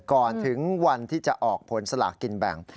ก่อนถึงวันที่จะออกผลสลากกินแบ่ง